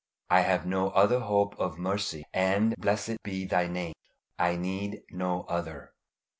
I have no other hope of mercy, and, blessed be Thy name, I need no other.